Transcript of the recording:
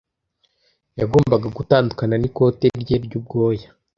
Yagombaga gutandukana n'ikote rye ry'ubwoya.